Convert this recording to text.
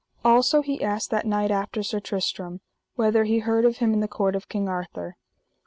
Also he asked that knight after Sir Tristram, whether he heard of him in the court of King Arthur.